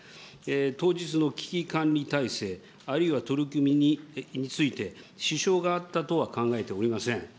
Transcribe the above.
当日の危機管理体制、あるいは取り組みについて、支障があったとは考えておりません。